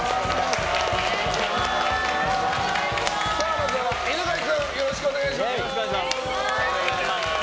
まずは犬飼君よろしくお願いします。